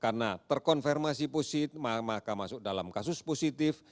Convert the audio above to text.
karena terkonfirmasi positif maka masuk dalam kasus positif